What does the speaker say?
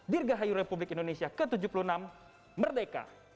dirgahayu republik indonesia ke tujuh puluh enam merdeka